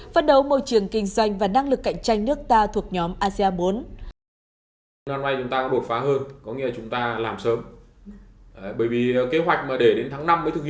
phân đấu môi trường kinh doanh và năng lực cạnh tranh nước ta thuộc nhóm asean bốn